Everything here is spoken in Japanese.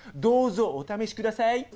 どうぞお試しください。